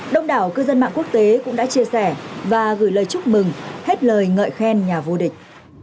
đông đảo cư dân mạng quốc tế cũng đã chia sẻ và gửi lời chúc mừng hết lời ngợi khen nhà vua địch